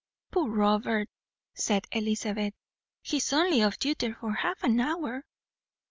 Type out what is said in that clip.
"Poor Robert!" said Elizabeth. "He is only off duty for half an hour."